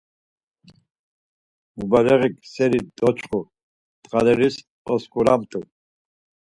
Mubareğik seris doçxu, ndğaleris osǩuramt̆u.